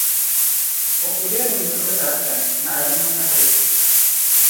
o ku deei nim’ duɣirili a sani, naɣila nim’ kahili.